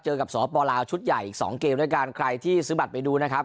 เจอกับสปลาวชุดใหญ่อีกสองเกมด้วยกันใครที่ซื้อบัตรไปดูนะครับ